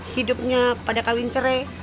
hidupnya pada kawin cerai